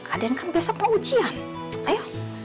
aden kan besok mau ujian ayo